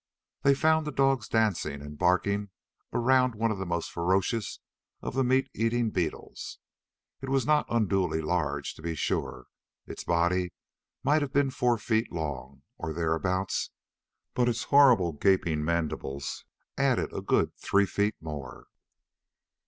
They found the dogs dancing and barking around one of the most ferocious of the meat eating beetles. It was not unduly large, to be sure. Its body might have been four feet long, or thereabouts. But its horrible gaping mandibles added a good three feet more.